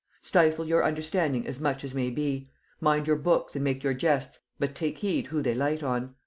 Stifle your understanding as much as may be; mind your books and make your jests, but take heed who they light on.